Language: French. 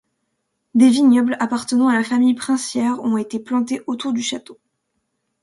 Des vignobles appartenant à la famille princière ont été plantés autour du château.